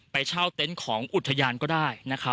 ไปเช่าเต็นต์ของอุทยานก็ได้